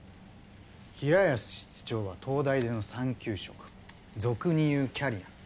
平安室長は東大出の三級職俗に言うキャリア。